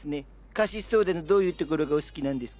カシスソーダのどういうところがお好きなんですか？